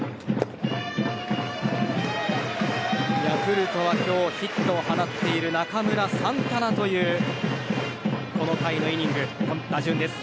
ヤクルトは今日ヒットを放っている中村、サンタナというこの回の打順です。